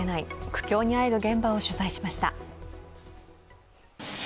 苦境にあえぐ現場を取材しました。